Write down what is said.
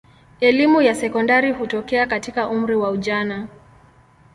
Elimu ya sekondari hutokea katika umri wa ujana.